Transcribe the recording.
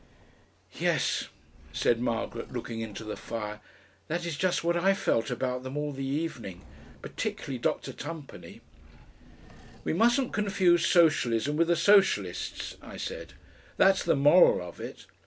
"Yes," said Margaret, looking into the fire. "That is just what I felt about them all the evening.... Particularly Dr. Tumpany." "We mustn't confuse Socialism with the Socialists," I said; "that's the moral of it.